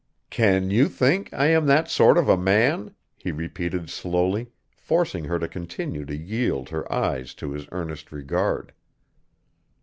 "Can you think I am that sort of a man?" he repeated slowly, forcing her to continue to yield her eyes to his earnest regard.